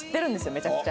めちゃくちゃ。